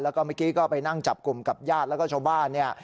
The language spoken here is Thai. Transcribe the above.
แล้วก็เมื่อกี้ก็ไปนั่งจับกลุ่มกับญาติแล้วก็ชาวบ้านเนี่ย